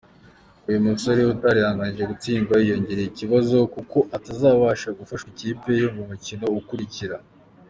Uyu musore utarihanganiye gutsindwa yiyongereye Ibibazo kuko atazabasha gufasha ikipe ye mu mikino ikurikira.